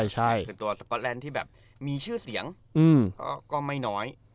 ใช่คือตัวสก๊อตแลนด์ที่แบบมีชื่อเสียงก็ไม่น้อย